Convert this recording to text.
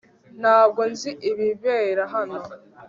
Ntabwo nzi ibibera hano